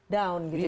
down gitu ya